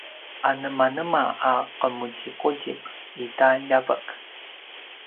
anemanema a qemuziquzip i ta ljavek?